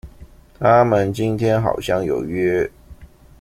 他們今天好像有約